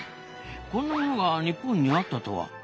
こんなものが日本にあったとは。